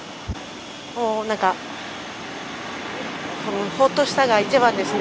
何か、ほっとしたが一番ですね。